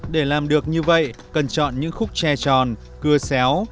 để làm được như vậy cần chọn những khúc tre tròn cưa xéo